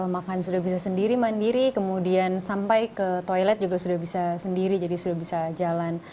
makan sudah bisa sendiri mandiri kemudian sampai ke toilet juga sudah bisa sendiri jadi sudah bisa jalan